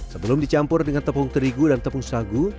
sebelum dicampur dengan tepung terigu dan tepung sagu